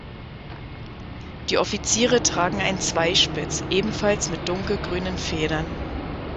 Die Offiziere tragen einen Zweispitz, ebenfalls mit dunkelgrünen Federn.